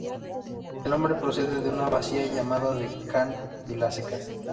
El nombre procede de una masía llamada de Can Vilaseca.